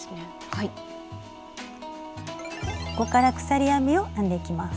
ここから鎖編みを編んでいきます。